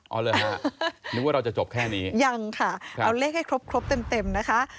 เอาเลยฮะนึกว่าเราจะจบแค่นี้ยังค่ะเอาเลขให้ครบครบเต็มเต็มนะคะ